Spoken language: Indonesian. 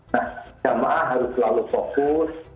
nah jamaah harus selalu fokus